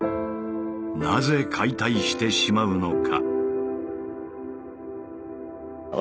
なぜ解体してしまうのか。